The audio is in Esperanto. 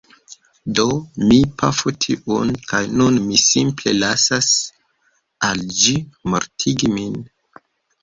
Do mi pafu tiun, kaj nun mi simple lasas al ĝi mortigi min.